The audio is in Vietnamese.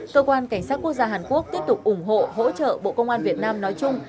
cơ quan cảnh sát quốc gia hàn quốc tiếp tục ủng hộ hỗ trợ bộ công an việt nam nói chung